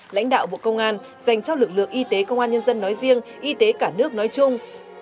lãnh đạo bộ công an dành cho lực lượng y tế công an nhân dân nói riêng y tế cả nước nói chung